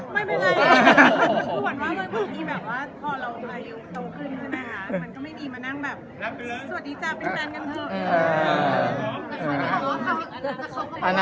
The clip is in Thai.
ไม่เป็นไรคุณขอคุณหวันว่าเมื่อกี้แบบว่าพอเราอายุโตขึ้นนะคะมันก็ไม่ดีมานั่งแบบสวัสดีจ้าเป็นแฟนกันเถอะ